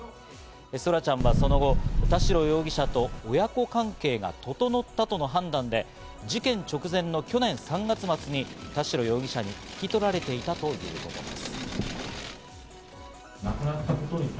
空来ちゃんはその後、田代容疑者と親子関係が整ったとの判断で、事件直前の去年３月末に田代容疑者に引き取られていたということです。